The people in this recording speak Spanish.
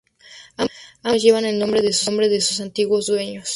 Ambas pinturas llevan el nombre de sus antiguos dueños.